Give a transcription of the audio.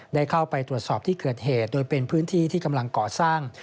ได้เข้าไปตรวจสอบที่เกิดเหตุโดยเป็นพื้นที่ที่กำลังก่อสร้าง